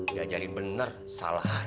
gak jadi bener salahat